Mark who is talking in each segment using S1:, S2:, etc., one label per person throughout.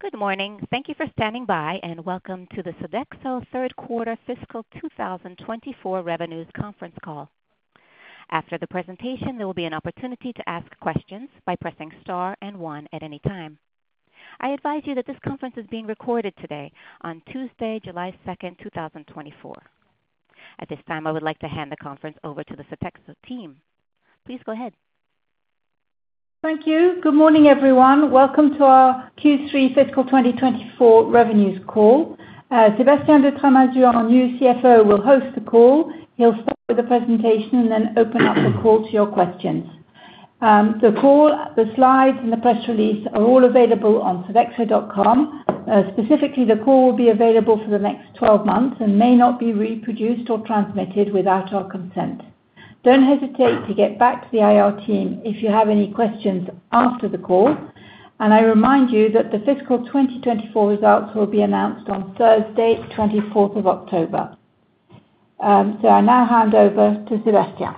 S1: Good morning. Thank you for standing by and welcome to the Sodexo Q3 Fiscal 2024 Revenues Conference Call. After the presentation, there will be an opportunity to ask questions by pressing star and one at any time. I advise you that this conference is being recorded today on Tuesday, July 2nd, 2024. At this time, I would like to hand the conference over to the Sodexo team. Please go ahead.
S2: Thank you. Good morning, everyone. Welcome to our Q3 Fiscal 2024 Revenues Call. Sébastien de Tramasure, our new CFO, will host the call. He'll start with the presentation and then open up the call to your questions. The call, the slides, and the press release are all available on Sodexo.com. Specifically, the call will be available for the next 12 months and may not be reproduced or transmitted without our consent. Don't hesitate to get back to the IR team if you have any questions after the call. I remind you that the fiscal 2024 results will be announced on Thursday, 24th of October. I now hand over to Sébastien.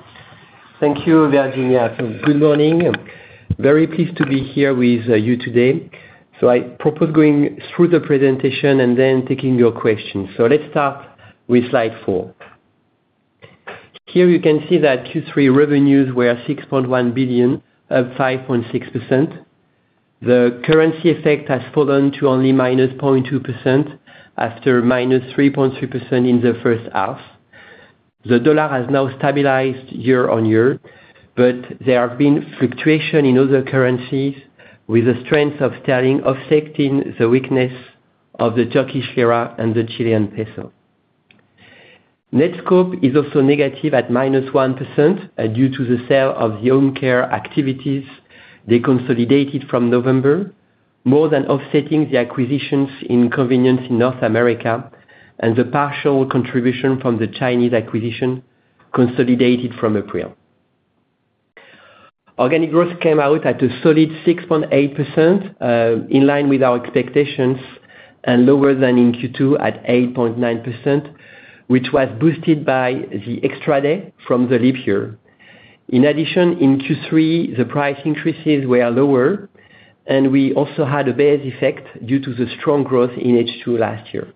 S3: Thank you, Virginia. Good morning. Very pleased to be here with you today. I propose going through the presentation and then taking your questions. Let's start with slide four. Here you can see that Q3 revenues were 6.1 billion, up 5.6%. The currency effect has fallen to only -0.2% after -3.3% in the first half. The dollar has now stabilized year-over-year, but there have been fluctuations in other currencies with the strength of sterling offsetting the weakness of the Turkish lira and the Chilean peso. Net scope is also negative at -1% due to the sale of the home care activities they consolidated from November, more than offsetting the acquisitions in convenience in North America and the partial contribution from the Chinese acquisition consolidated from April. Organic growth came out at a solid 6.8%, in line with our expectations, and lower than in Q2 at 8.9%, which was boosted by the extra day from the leap year. In addition, in Q3, the price increases were lower, and we also had a base effect due to the strong growth in H2 last year.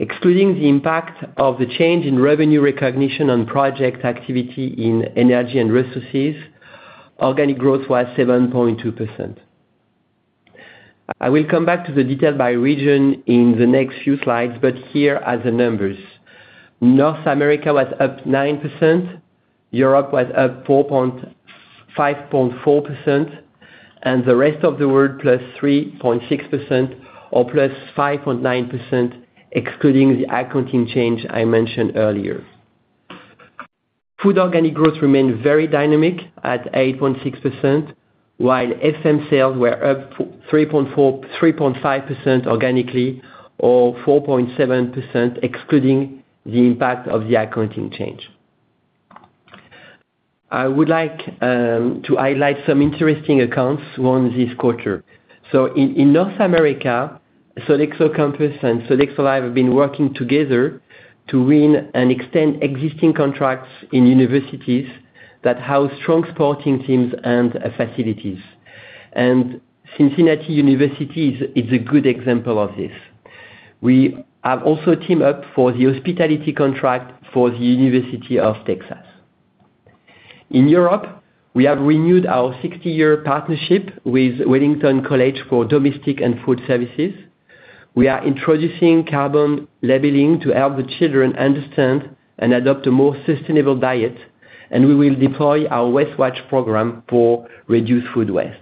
S3: Excluding the impact of the change in revenue recognition on project activity in energy and resources, organic growth was 7.2%. I will come back to the detail by region in the next few slides, but here are the numbers. North America was up 9%. Europe was up 5.4%, and the rest of the world +3.6% or +5.9%, excluding the accounting change I mentioned earlier. Food organic growth remained very dynamic at 8.6%, while FM sales were up 3.5% organically or 4.7%, excluding the impact of the accounting change. I would like to highlight some interesting accounts on this quarter. So in North America, Sodexo Campus and Sodexo Live have been working together to win and extend existing contracts in universities that house strong sporting teams and facilities. Cincinnati University is a good example of this. We have also teamed up for the hospitality contract for the University of Texas. In Europe, we have renewed our 60-year partnership with Wellington College for Domestic and Food Services. We are introducing carbon labeling to help the children understand and adopt a more sustainable diet, and we will deploy our WasteWatch program for reduced food waste.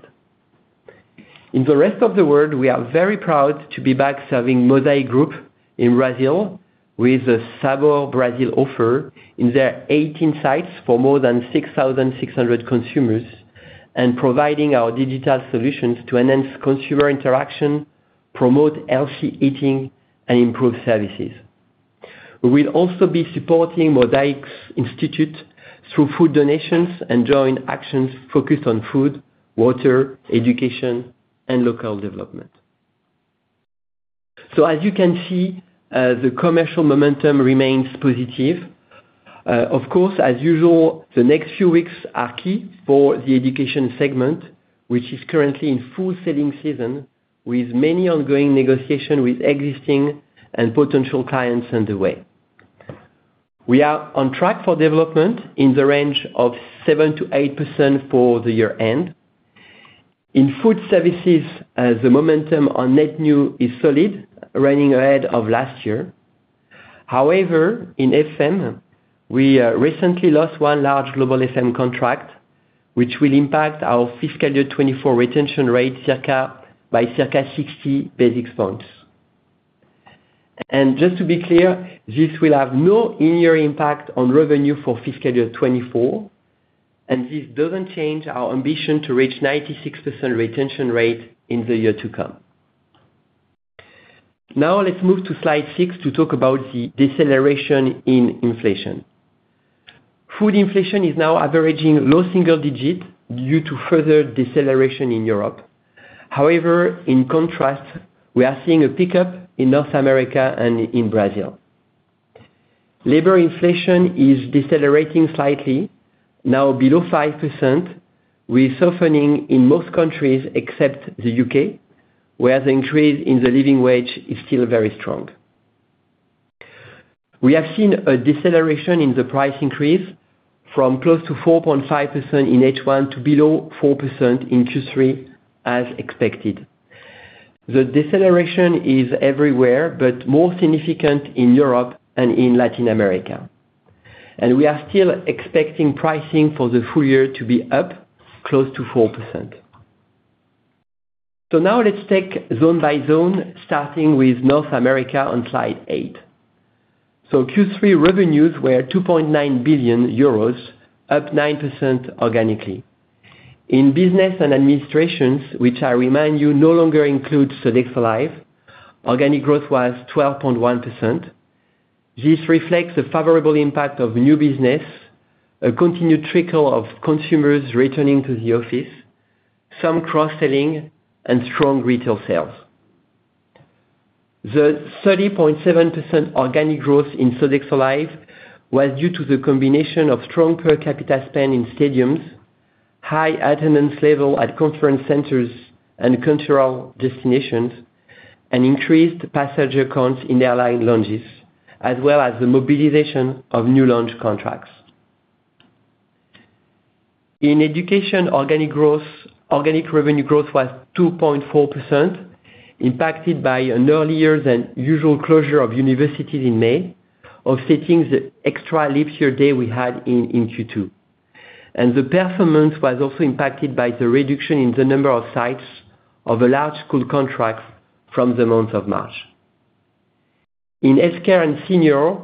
S3: In the rest of the world, we are very proud to be back serving Mosaic Group in Brazil with a Sabor Brasil offer in their 18 sites for more than 6,600 consumers and providing our digital solutions to enhance consumer interaction, promote healthy eating, and improve services. We will also be supporting Mosaic's institute through food donations and joint actions focused on food, water, education, and local development. So as you can see, the commercial momentum remains positive. Of course, as usual, the next few weeks are key for the education segment, which is currently in full selling season with many ongoing negotiations with existing and potential clients underway. We are on track for development in the range of 7%-8% for the year end. In food services, the momentum on net new is solid, running ahead of last year. However, in FM, we recently lost one large global FM contract, which will impact our fiscal year 2024 retention rate by circa 60 basis points. And just to be clear, this will have no in-year impact on revenue for fiscal year 2024, and this doesn't change our ambition to reach 96% retention rate in the year to come. Now let's move to slide 6 to talk about the deceleration in inflation. Food inflation is now averaging low single digits due to further deceleration in Europe. However, in contrast, we are seeing a pickup in North America and in Brazil. Labor inflation is decelerating slightly, now below 5%, with softening in most countries except the U.K., where the increase in the living wage is still very strong. We have seen a deceleration in the price increase from close to 4.5% in H1 to below 4% in Q3, as expected. The deceleration is everywhere, but more significant in Europe and in Latin America. We are still expecting pricing for the full year to be up close to 4%. Now let's take zone by zone, starting with North America on slide 8. Q3 revenues were 2.9 billion euros, up 9% organically. In business and administrations, which I remind you no longer includes Sodexo Live, organic growth was 12.1%. This reflects a favorable impact of new business, a continued trickle of consumers returning to the office, some cross-selling, and strong retail sales. The 30.7% organic growth in Sodexo Live was due to the combination of strong per-capita spend in stadiums, high attendance level at conference centers and cultural destinations, and increased passenger counts in airline lounges, as well as the mobilization of new lounge contracts. In education, organic revenue growth was 2.4%, impacted by an earlier than usual closure of universities in May, offsetting the extra leap year day we had in Q2. The performance was also impacted by the reduction in the number of sites of large school contracts from the month of March. In healthcare and senior,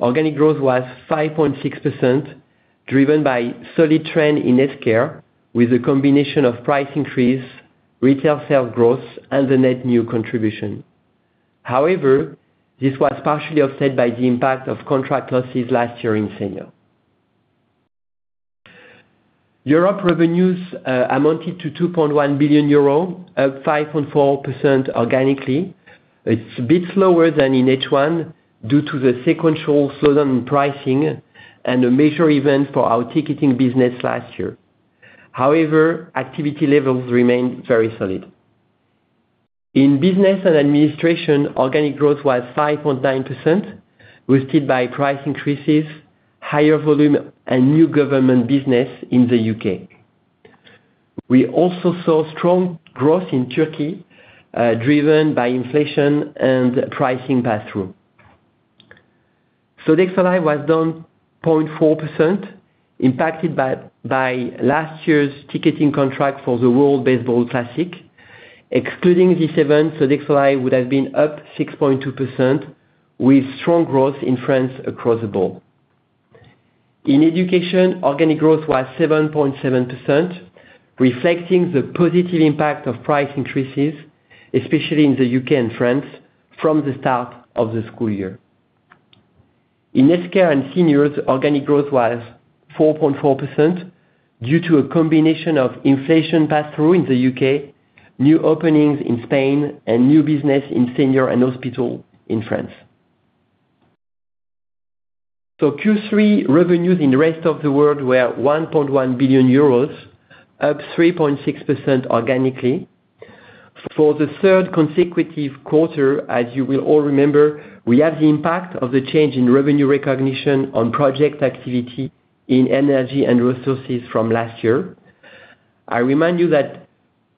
S3: organic growth was 5.6%, driven by solid trend in healthcare with a combination of price increase, retail sales growth, and the net new contribution. However, this was partially offset by the impact of contract losses last year in senior. Europe revenues amounted to 2.1 billion euro, up 5.4% organically. It's a bit slower than in H1 due to the sequential slowdown in pricing and a major event for our ticketing business last year. However, activity levels remained very solid. In business and administration, organic growth was 5.9%, boosted by price increases, higher volume, and new government business in the U.K. We also saw strong growth in Turkey, driven by inflation and pricing pass-through. Sodexo Live was down 0.4%, impacted by last year's ticketing contract for the World Baseball Classic. Excluding this event, Sodexo Live would have been up 6.2%, with strong growth in France across the board. In education, organic growth was 7.7%, reflecting the positive impact of price increases, especially in the U.K. and France, from the start of the school year. In healthcare and seniors, organic growth was 4.4% due to a combination of inflation pass-through in the U.K., new openings in Spain, and new business in senior and hospital in France. Q3 revenues in the rest of the world were 1.1 billion euros, up 3.6% organically. For the third consecutive quarter, as you will all remember, we have the impact of the change in revenue recognition on project activity in energy and resources from last year. I remind you that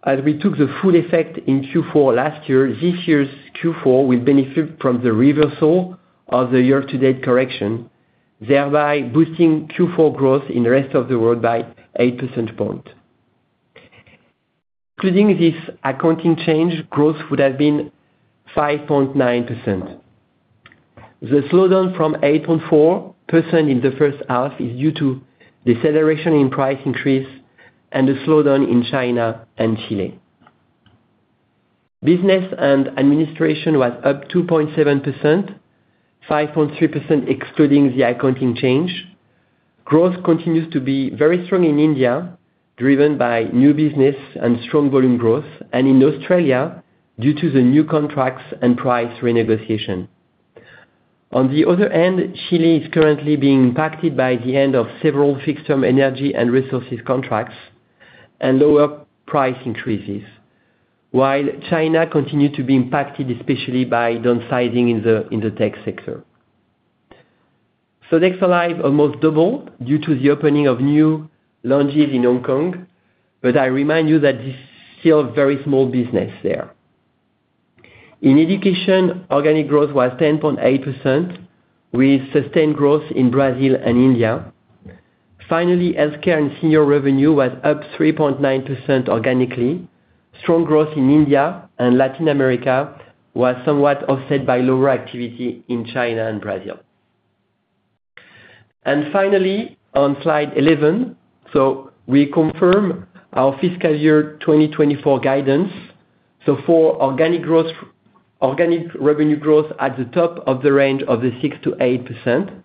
S3: as we took the full effect in Q4 last year, this year's Q4 will benefit from the reversal of the year-to-date correction, thereby boosting Q4 growth in the rest of the world by 8%. Including this accounting change, growth would have been 5.9%. The slowdown from 8.4% in the first half is due to deceleration in price increase and a slowdown in China and Chile. Business and administration was up 2.7%, 5.3% excluding the accounting change. Growth continues to be very strong in India, driven by new business and strong volume growth, and in Australia due to the new contracts and price renegotiation. On the other hand, Chile is currently being impacted by the end of several fixed-term energy and resources contracts and lower price increases, while China continues to be impacted, especially by downsizing in the tech sector. Sodexo Live! almost doubled due to the opening of new lounges in Hong Kong, but I remind you that this is still very small business there. In education, organic growth was 10.8%, with sustained growth in Brazil and India. Finally, healthcare and senior revenue was up 3.9% organically. Strong growth in India and Latin America was somewhat offset by lower activity in China and Brazil. And finally, on slide 11, so we confirm our fiscal year 2024 guidance. So for organic revenue growth at the top of the range of the 6% to 8%,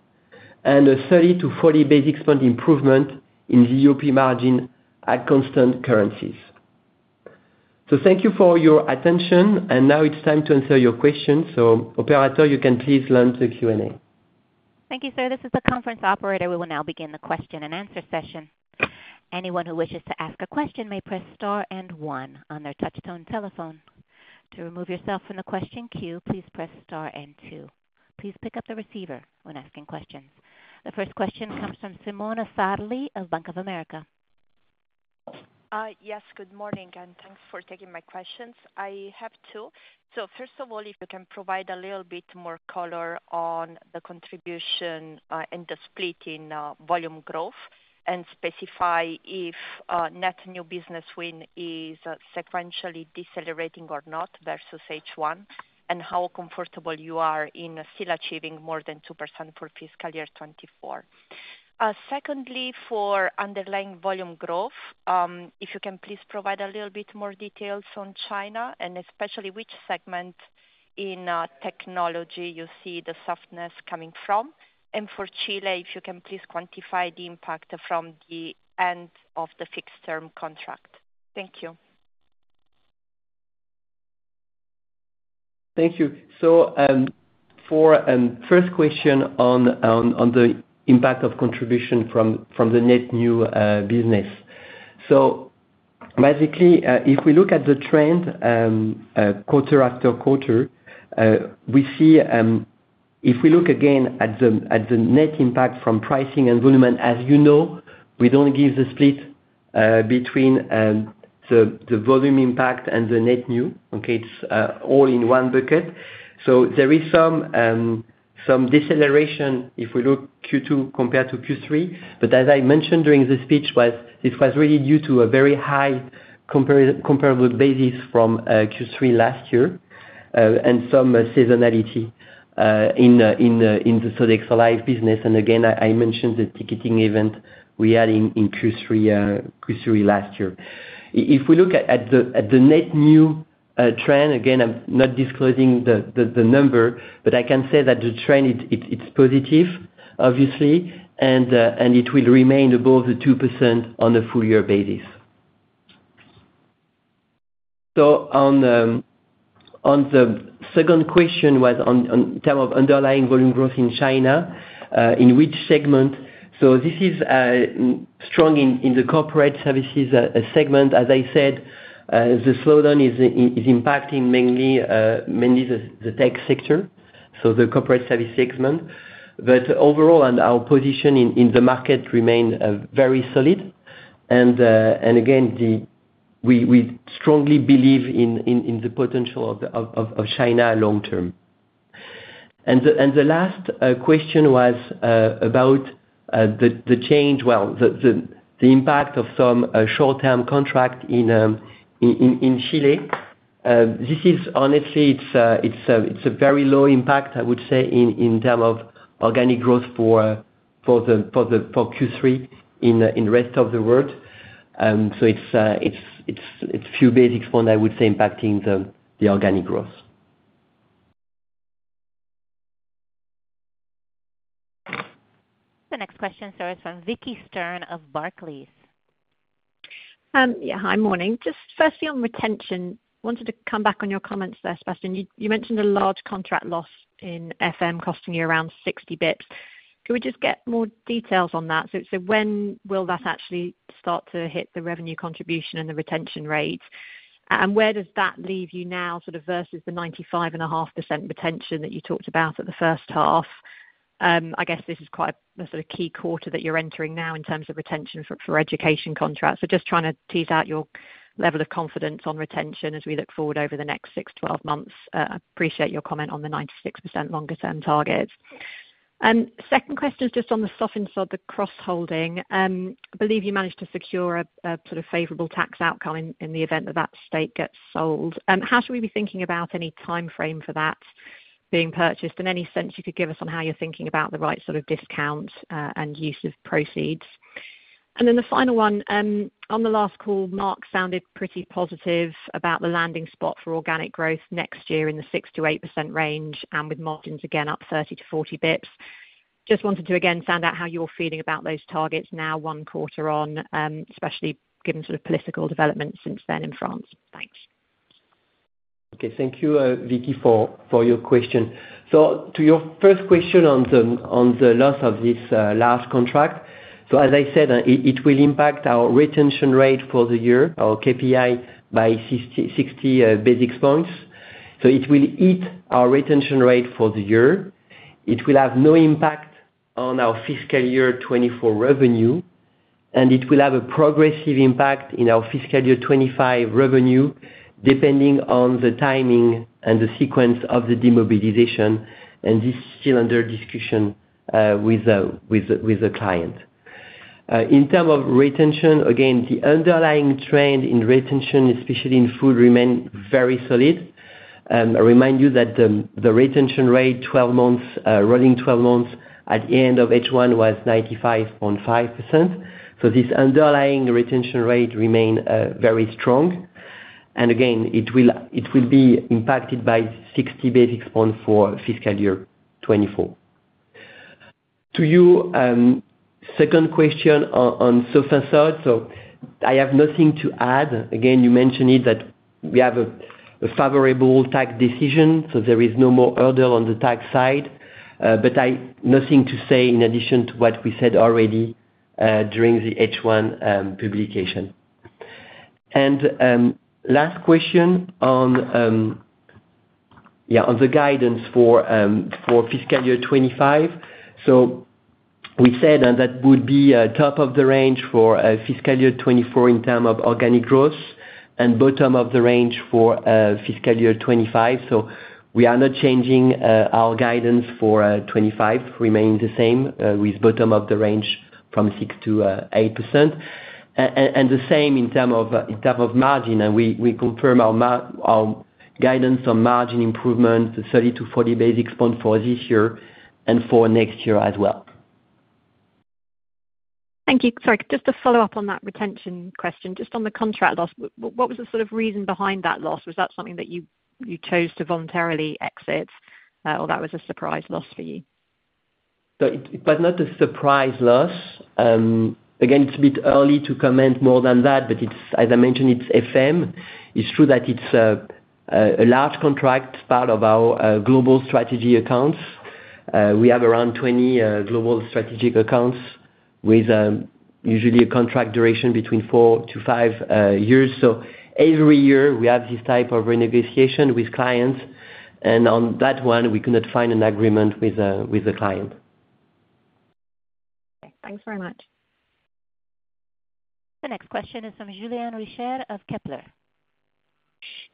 S3: and a 30 to 40 basis-point improvement in UOP margin at constant currencies. Thank you for your attention, and now it's time to answer your questions. Operator, you can please launch the Q&A.
S1: Thank you, sir. This is the conference operator. We will now begin the Q&A session. Anyone who wishes to ask a question may press star and one on their touch-tone telephone. To remove yourself from the question queue, please press star and two. Please pick up the receiver when asking questions. The first question comes from Simona Sarli of Bank of America.
S4: Yes, good morning, and thanks for taking my questions. I have two. So first of all, if you can provide a little bit more color on the contribution and the split in volume growth and specify if net new business win is sequentially decelerating or not versus H1, and how comfortable you are in still achieving more than 2% for fiscal year 2024. Secondly, for underlying volume growth, if you can please provide a little bit more details on China and especially which segment in technology you see the softness coming from. And for Chile, if you can please quantify the impact from the end of the fixed-term contract. Thank you.
S3: Thank you. For first question on the impact of contribution from the net new business. Basically, if we look at the trend quarter-after-quarter, we see if we look again at the net impact from pricing and volume, and as you know, we don't give the split between the volume impact and the net new. It's all in one bucket. There is some deceleration if we look Q2 compared to Q3, but as I mentioned during the speech, this was really due to a very high comparable basis from Q3 last year and some seasonality in the Sodexo Live business. Again, I mentioned the ticketing event we had in Q3 last year. If we look at the net new trend, again, I'm not disclosing the number, but I can say that the trend, it's positive, obviously, and it will remain above the 2% on a full year basis. So the second question was on terms of underlying volume growth in China, in which segment? So this is strong in the corporate services segment. As I said, the slowdown is impacting mainly the tech sector, so the corporate services segment. But overall, our position in the market remained very solid. And again, we strongly believe in the potential of China long term. And the last question was about the change, well, the impact of some short-term contract in Chile. This is, honestly, it's a very low impact, I would say, in terms of organic growth for Q3 in the rest of the world. It's a few basic points, I would say, impacting the organic growth.
S1: The next question, sir, is from Vicki Stern of Barclays.
S5: Yeah, hi, morning. Just firstly on retention, wanted to come back on your comments there, Sébastien. You mentioned a large contract loss in FM costing you around 60 basis points. Could we just get more details on that? So when will that actually start to hit the revenue contribution and the retention rate? And where does that leave you now sort of versus the 95.5% retention that you talked about at the first half? I guess this is quite a key quarter that you're entering now in terms of retention for education contracts. So just trying to tease out your level of confidence on retention as we look forward over the next 6 to 12 months. I appreciate your comment on the 96% longer-term target. And second question is just on the Sofinsod, the cross-holding. I believe you managed to secure a sort of favorable tax outcome in the event that that stake gets sold. How should we be thinking about any timeframe for that being purchased? And any sense you could give us on how you're thinking about the right sort of discount and use of proceeds? And then the final one, on the last call, Marc sounded pretty positive about the landing spot for organic growth next year in the 6% to 8% range and with margins again up 30 to 40 basis points. Just wanted to again find out how you're feeling about those targets now one quarter on, especially given sort of political developments since then in France. Thanks.
S3: Okay, thank you, Vicky, for your question. So to your first question on the loss of this last contract, so as I said, it will impact our retention rate for the year, our KPI by 60 basis points. So it will eat our retention rate for the year. It will have no impact on our fiscal year 2024 revenue, and it will have a progressive impact in our fiscal year 2025 revenue depending on the timing and the sequence of the demobilization. And this is still under discussion with the client. In terms of retention, again, the underlying trend in retention, especially in food, remains very solid. I remind you that the retention rate, 12 months, rolling 12 months at the end of H1 was 95.5%. So this underlying retention rate remains very strong. And again, it will be impacted by 60 basis points for fiscal year 2024. Thank you. Second question on so far, so far. So I have nothing to add. Again, you mentioned that we have a favorable tax decision, so there is no more hurdle on the tax side, but nothing to say in addition to what we said already during the H1 publication. Last question on the guidance for fiscal year 2025. So we said that would be top of the range for fiscal year 2024 in term of organic growth and bottom of the range for fiscal year 2025. So we are not changing our guidance for 2025; it remains the same with bottom of the range from 6% to 8%. And the same in term of margin. And we confirm our guidance on margin improvement, 30 to 40 basis points for this year and for next year as well.
S5: Thank you. Sorry, just to follow up on that retention question, just on the contract loss, what was the sort of reason behind that loss? Was that something that you chose to voluntarily exit, or that was a surprise loss for you?
S3: But not a surprise loss. Again, it's a bit early to comment more than that, but as I mentioned, it's FM. It's true that it's a large contract, part of our global strategy accounts. We have around 20 global strategic accounts with usually a contract duration between four to five years. So every year we have this type of renegotiation with clients. And on that one, we could not find an agreement with the client.
S5: Okay, thanks very much.
S1: The next question is from Julien Richer of Kepler Cheuvreux.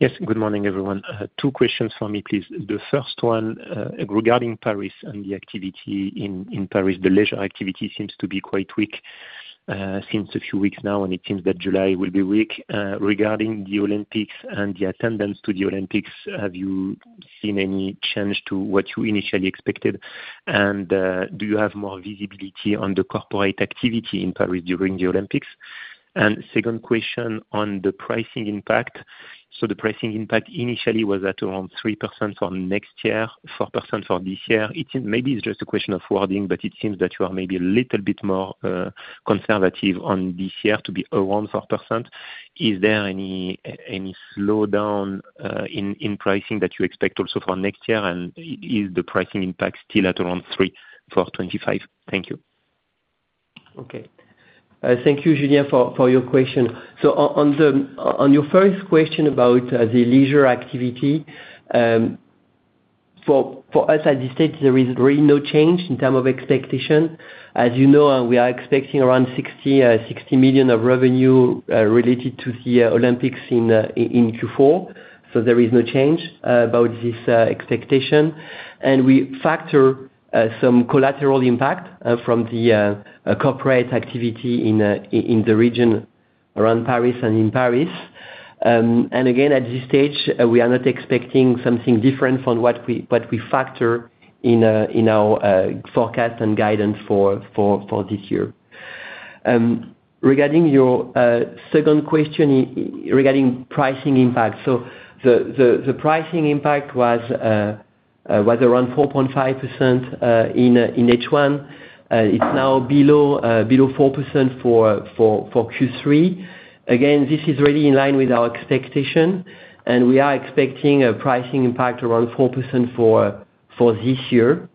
S6: Yes, good morning, everyone. Two questions for me, please. The first one regarding Paris and the activity in Paris. The leisure activity seems to be quite weak since a few weeks now, and it seems that July will be weak. Regarding the Olympics and the attendance to the Olympics, have you seen any change to what you initially expected? And do you have more visibility on the corporate activity in Paris during the Olympics? And second question on the pricing impact. So the pricing impact initially was at around 3% for next year, 4% for this year. Maybe it's just a question of wording, but it seems that you are maybe a little bit more conservative on this year to be around 4%. Is there any slowdown in pricing that you expect also for next year? And is the pricing impact still at around 3% for 2025? Thank you.
S3: Okay. Thank you, Julien, for your question. So on your first question about the leisure activity, for us at this stage, there is really no change in terms of expectation. As you know, we are expecting around 60 million of revenue related to the Olympics in Q4. So there is no change about this expectation. And we factor some collateral impact from the corporate activity in the region around Paris and in Paris. And again, at this stage, we are not expecting something different from what we factor in our forecast and guidance for this year. Regarding your second question regarding pricing impact, so the pricing impact was around 4.5% in H1. It's now below 4% for Q3. Again, this is really in line with our expectation. And we are expecting a pricing impact around 4% for this year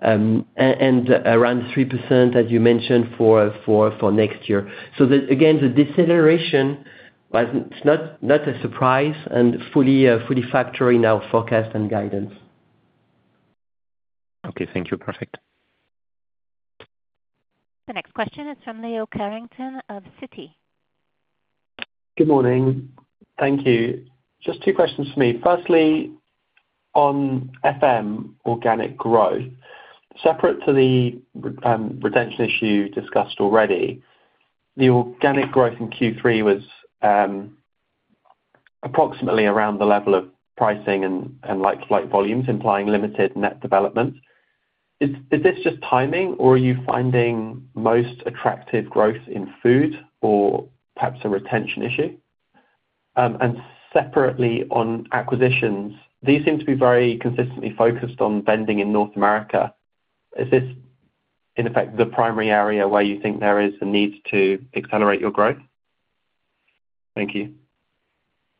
S3: and around 3%, as you mentioned, for next year. So again, the deceleration was not a surprise and fully factoring our forecast and guidance.
S6: Okay, thank you. Perfect.
S2: The next question is from Leo Carrington of Citi.
S7: Good morning. Thank you. Just two questions for me. Firstly, on FM organic growth, separate to the retention issue discussed already, the organic growth in Q3 was approximately around the level of pricing and flight volumes, implying limited net development. Is this just timing, or are you finding most attractive growth in food or perhaps a retention issue? And separately on acquisitions, these seem to be very consistently focused on vending in North America. Is this, in effect, the primary area where you think there is a need to accelerate your growth? Thank you.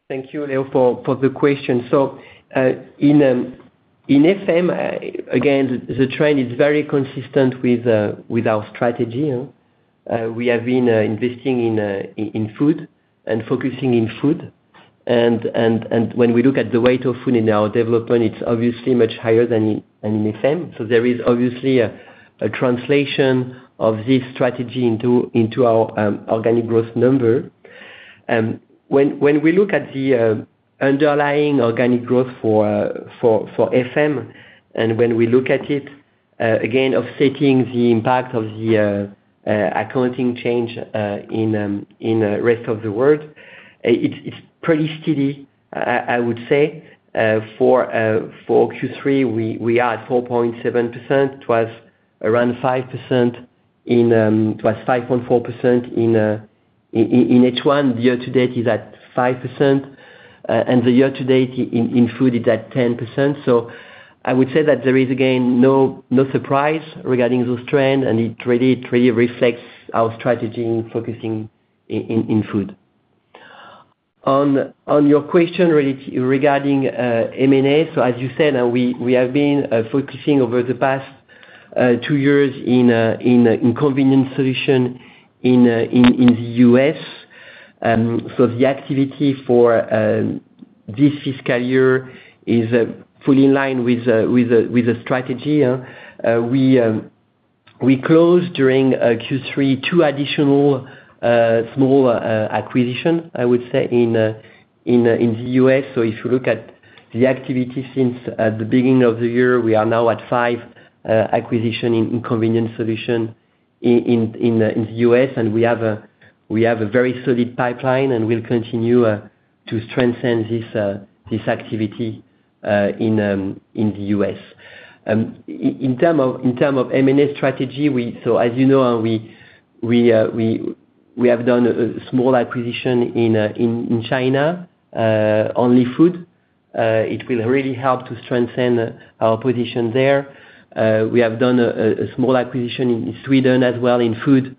S3: Thank you, Leo, for the question. So in FM, again, the trend is very consistent with our strategy. We have been investing in food and focusing in food. And when we look at the weight of food in our development, it's obviously much higher than in FM. So there is obviously a translation of this strategy into our organic growth number. When we look at the underlying organic growth for FM, and when we look at it, again, offsetting the impact of the accounting change in the rest of the world, it's pretty steady, I would say. For Q3, we are at 4.7%. It was around 5%. It was 5.4% in H1. The year-to-date is at 5%. And the year-to-date in food is at 10%. So I would say that there is, again, no surprise regarding those trends, and it really reflects our strategy in focusing in food. On your question regarding M&A, so as you said, we have been focusing over the past two years in convenience solution in the U.S. So the activity for this fiscal year is fully in line with the strategy. We closed during Q3 two additional small acquisitions, I would say, in the U.S. So if you look at the activity since the beginning of the year, we are now at five acquisitions in convenience solution in the U.S. And we have a very solid pipeline, and we'll continue to strengthen this activity in the U.S. In terms of M&A strategy, so as you know, we have done a small acquisition in China, only food. It will really help to strengthen our position there. We have done a small acquisition in Sweden as well in food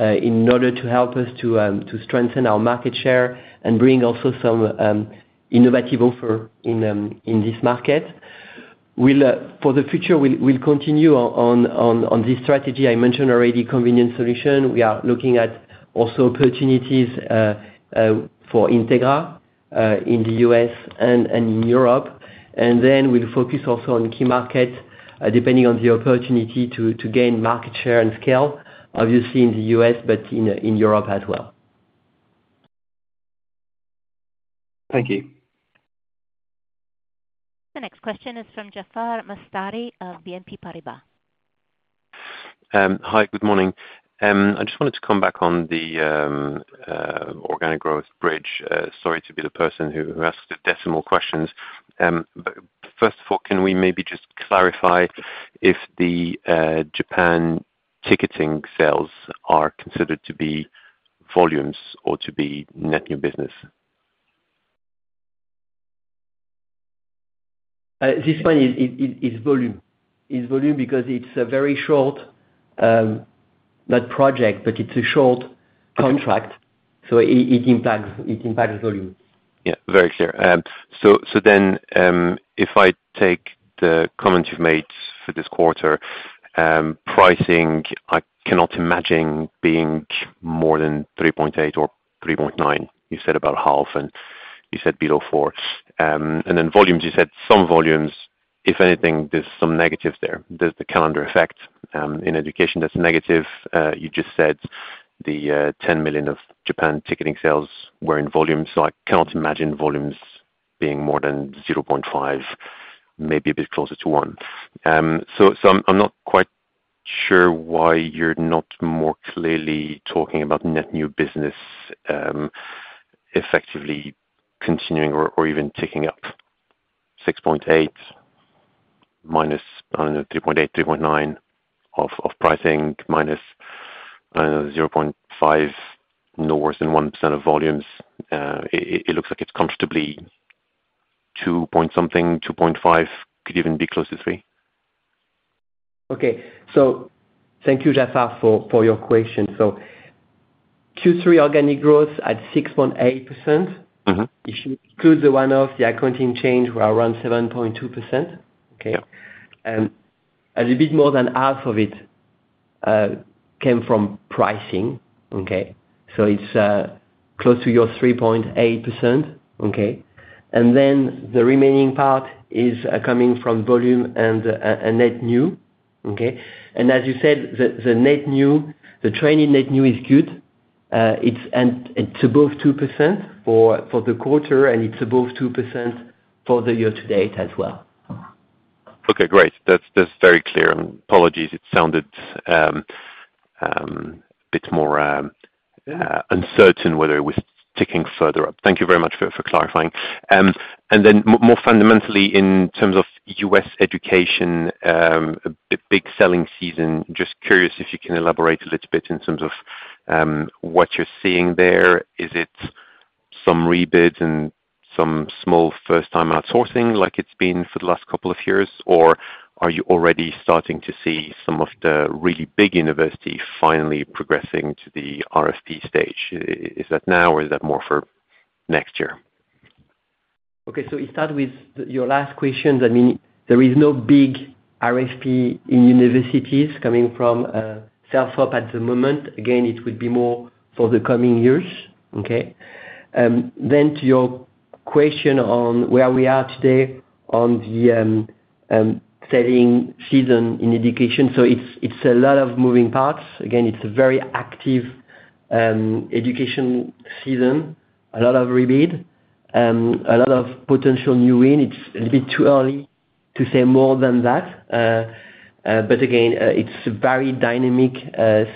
S3: in order to help us to strengthen our market share and bring also some innovative offer in this market. For the future, we'll continue on this strategy. I mentioned already convenience solution. We are looking at also opportunities for Entegra in the U.S. and in Europe. And then we'll focus also on key markets depending on the opportunity to gain market share and scale, obviously in the U.S., but in Europe as well.
S7: Thank you.
S2: The next question is from Jaafar Mestari of BNP Paribas.
S8: Hi, good morning. I just wanted to come back on the organic growth bridge. Sorry to be the person who asks the decimal questions. But first of all, can we maybe just clarify if the Japan ticketing sales are considered to be volumes or to be net new business?
S3: This one is volume. It's volume because it's a very short, not project, but it's a short contract. So it impacts volume.
S8: Yeah, very clear. So then if I take the comment you've made for this quarter, pricing, I cannot imagine being more than 3.8 or 3.9. You said about half, and you said below 4. And then volumes, you said some volumes. If anything, there's some negative there. There's the calendar effect in education that's negative. You just said the 10 million of Japan ticketing sales were in volumes. So I cannot imagine volumes being more than 0.5, maybe a bit closer to 1. So I'm not quite sure why you're not more clearly talking about net new business effectively continuing or even ticking up. 6.8 minus, I don't know, 3.8, 3.9 of pricing minus, I don't know, 0.5, no worse than 1% of volumes. It looks like it's comfortably 2 point something, 2.5, could even be close to 3.
S3: Okay. So thank you, Jaafar, for your question. So Q3 organic growth at 6.8%, if you include the one-off, the accounting change were around 7.2%. Okay? And a bit more than half of it came from pricing. Okay? So it's close to your 3.8%. Okay? And then the remaining part is coming from volume and net new. Okay? And as you said, the net new, the training net new is good. It's above 2% for the quarter, and it's above 2% for the year-to-date as well.
S8: Okay, great. That's very clear. And apologies, it sounded a bit more uncertain whether it was ticking further up. Thank you very much for clarifying. And then more fundamentally, in terms of U.S. education, a big selling season. Just curious if you can elaborate a little bit in terms of what you're seeing there. Is it some rebids and some small first-time outsourcing like it's been for the last couple of years? Or are you already starting to see some of the really big universities finally progressing to the RFP stage? Is that now, or is that more for next year?
S3: Okay, so we start with your last question. I mean, there is no big RFP in universities coming from self-op at the moment. Again, it would be more for the coming years. Okay? Then to your question on where we are today on the selling season in education. So it's a lot of moving parts. Again, it's a very active education season, a lot of rebid, a lot of potential new win. It's a bit too early to say more than that. But again, it's a very dynamic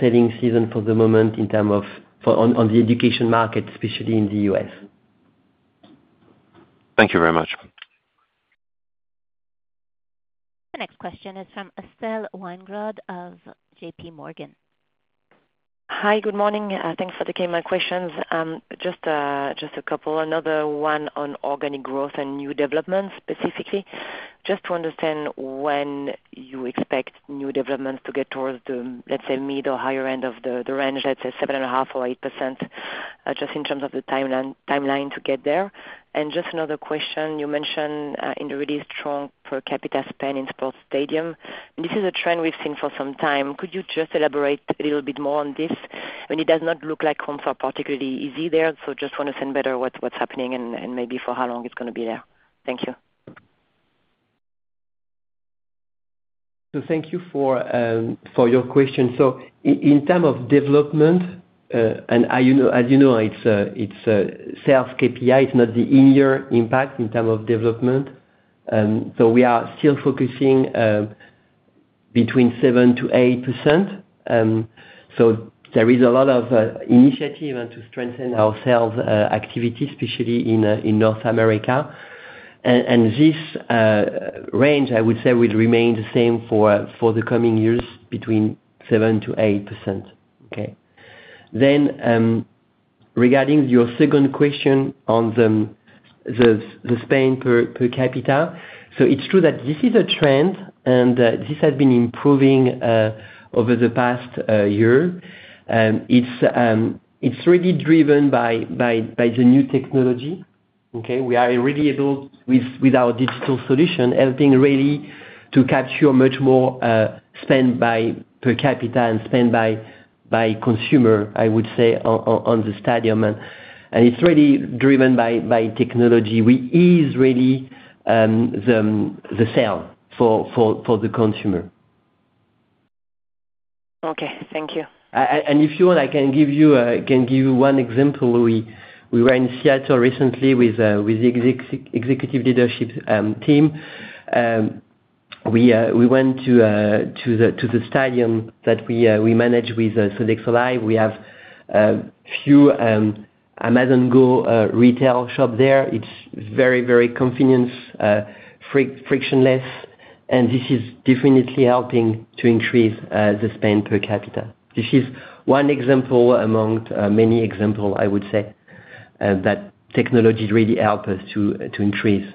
S3: selling season for the moment in terms of on the education market, especially in the U.S.
S8: Thank you very much.
S1: The next question is from Estelle Weingrod of JPMorgan.
S9: Hi, good morning. Thanks for taking my questions. Just a couple. Another one on organic growth and new development specifically. Just to understand when you expect new developments to get towards the, let's say, mid or higher end of the range, let's say 7.5% or 8%, just in terms of the timeline to get there. Just another question. You mentioned in the really strong per capita spend in sports stadium. This is a trend we've seen for some time. Could you just elaborate a little bit more on this? I mean, it does not look like homes are particularly easy there. So just want to understand better what's happening and maybe for how long it's going to be there. Thank you.
S3: So thank you for your question. In terms of development, and as you know, it's sales KPI. It's not the in-year impact in terms of development. So we are still focusing between 7% to 8%. So there is a lot of initiative to strengthen our sales activity, especially in North America. And this range, I would say, will remain the same for the coming years between 7% to 8%. Okay? Then regarding your second question on the spend per capita, so it's true that this is a trend, and this has been improving over the past year. It's really driven by the new technology. Okay? We are really able, with our digital solution, helping really to capture much more spend by per capita and spend by consumer, I would say, on the stadium. And it's really driven by technology, which is really the sale for the consumer.
S9: Okay, thank you.
S3: If you want, I can give you one example. We were in Seattle recently with the executive leadership team. We went to the stadium that we manage with Sodexo Live. We have a few Amazon Go retail shops there. It's very, very convenient, frictionless, and this is definitely helping to increase the spend per capita. This is one example among many examples, I would say, that technology really helps us to increase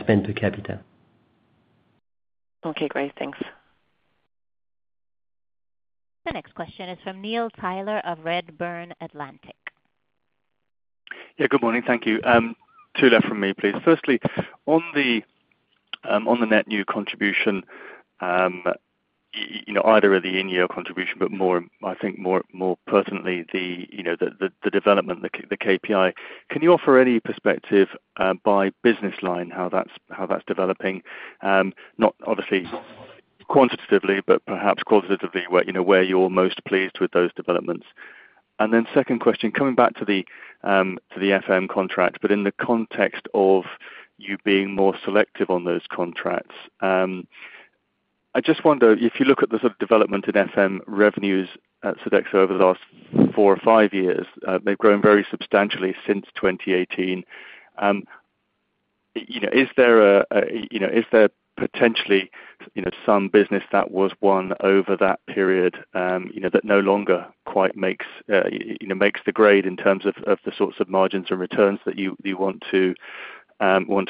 S3: spend per capita.
S9: Okay, great. Thanks.
S2: The next question is from Neil Tyler of Redburn Atlantic.
S10: Yeah, good morning. Thank you. Two left from me, please. Firstly, on the net new contribution, either of the in-year contribution, but I think more personally the development, the KPI, can you offer any perspective by business line how that's developing? Not obviously quantitatively, but perhaps qualitatively where you're most pleased with those developments. And then second question, coming back to the FM contract, but in the context of you being more selective on those contracts, I just wonder, if you look at the sort of development in FM revenues at Sodexo over the last four or five years, they've grown very substantially since 2018. Is there potentially some business that was won over that period that no longer quite makes the grade in terms of the sorts of margins and returns that you want to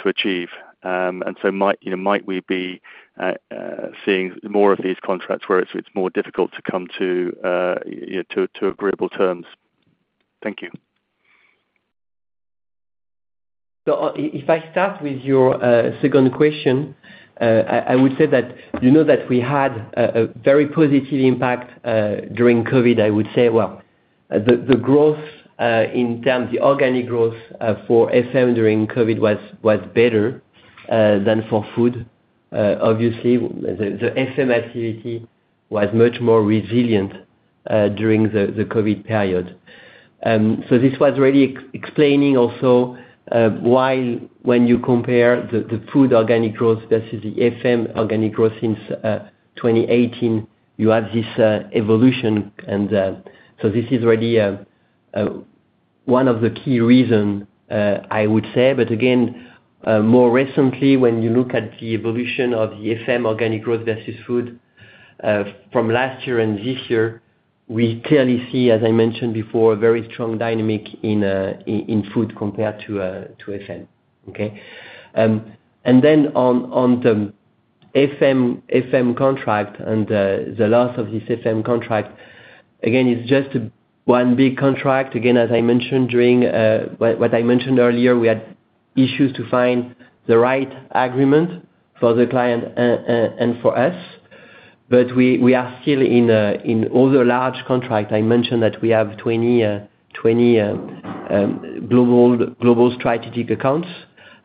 S10: achieve? Might we be seeing more of these contracts where it's more difficult to come to agreeable terms? Thank you.
S3: So if I start with your second question, I would say that you know that we had a very positive impact during COVID, I would say. Well, the growth in terms of the organic growth for FM during COVID was better than for food. Obviously, the FM activity was much more resilient during the COVID period. So this was really explaining also why when you compare the food organic growth versus the FM organic growth since 2018, you have this evolution. And so this is really one of the key reasons, I would say. But again, more recently, when you look at the evolution of the FM organic growth versus food from last year and this year, we clearly see, as I mentioned before, a very strong dynamic in food compared to FM. Okay? And then on the FM contract and the loss of this FM contract, again, it's just one big contract. Again, as I mentioned during what I mentioned earlier, we had issues to find the right agreement for the client and for us. But we are still in all the large contracts. I mentioned that we have 20 global strategic accounts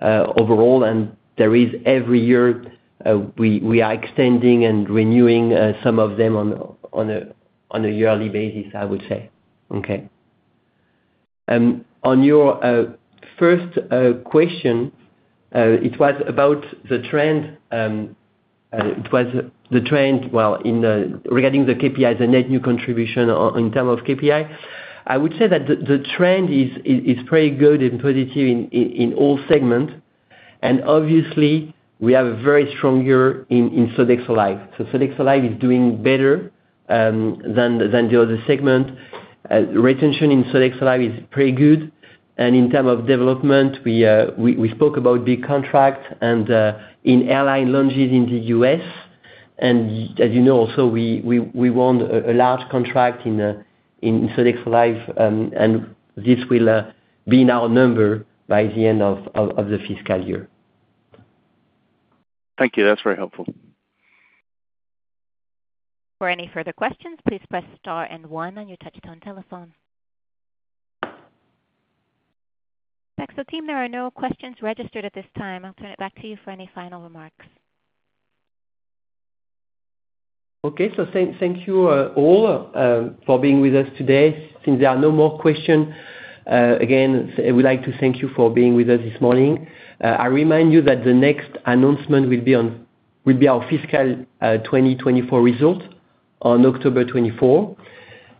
S3: overall, and there is every year we are extending and renewing some of them on a yearly basis, I would say. Okay? On your first question, it was about the trend. It was the trend, well, regarding the KPIs, the net new contribution in terms of KPI. I would say that the trend is pretty good and positive in all segments. And obviously, we have a very strong year in Sodexo Live. So Sodexo Live is doing better than the other segments. Retention in Sodexo Live is pretty good. In terms of development, we spoke about big contracts and in airline lounges in the U.S. As you know, also, we won a large contract in Sodexo Live, and this will be in our number by the end of the fiscal year.
S10: Thank you. That's very helpful.
S1: For any further questions, please press star and one on your touch-tone telephone. Thanks, the team. There are no questions registered at this time. I'll turn it back to you for any final remarks.
S3: Okay, so thank you all for being with us today. Since there are no more questions, again, we'd like to thank you for being with us this morning. I remind you that the next announcement will be our fiscal 2024 result on October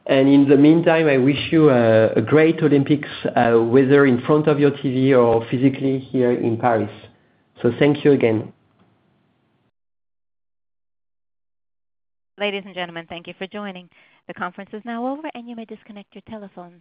S3: 24. In the meantime, I wish you a great Olympics whether in front of your TV or physically here in Paris. Thank you again.
S1: Ladies and gentlemen, thank you for joining. The conference is now over, and you may disconnect your telephones.